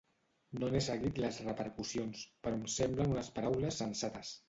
No n’he seguit les repercussions, però em semblen unes paraules sensates.